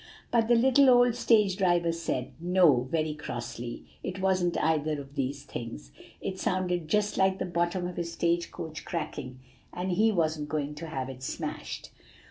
"But the little old stage driver said, 'No,' very crossly; 'it wasn't either of these things.' It sounded just like the bottom of his stage coach cracking, and he wasn't going to have it smashed.